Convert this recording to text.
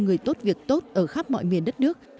người tốt việc tốt ở khắp mọi miền đất nước